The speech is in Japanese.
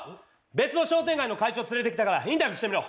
別の商店街の会長連れてきたからインタビューしてみろ！